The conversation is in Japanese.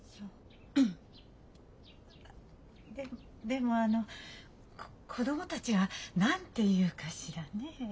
でもあのこ子供たちは何て言うかしらねえ？